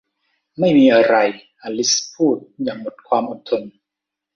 ไม่มีอะไร อลิซพูดอย่างหมดความอดทน